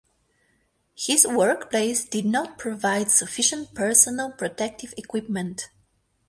His workplace did not provide sufficient personal protective equipment.